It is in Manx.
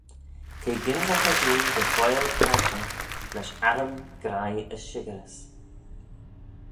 T'eh gynsaghey dooin dy ghoaill padjer lesh arrym, graih, as shickyrys.